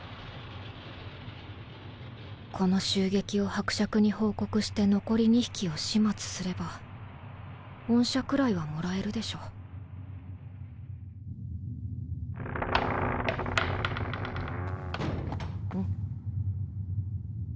この襲撃を伯爵に報告して残り２匹を始末すれば恩赦くらいはもらえるでしょん？